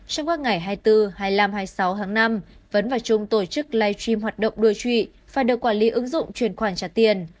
trong các ngày hai mươi bốn hai mươi năm hai mươi sáu tháng năm vấn và trung tổ chức live stream hoạt động đua trụy phải được quản lý ứng dụng chuyển khoản trả tiền